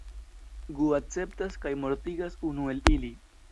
Gu akceptas kaj mortigas unu el ili.